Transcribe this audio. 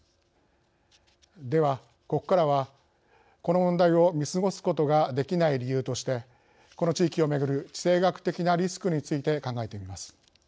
では、ここからはこの問題を見過ごすことができない理由としてこの地域をめぐる地政学的なリスクについて考えてみます。